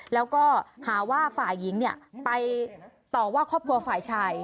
แล้วก็หาว่าฝ่ายหญิงไปต่อว่าครอบครัวฝ่ายชาย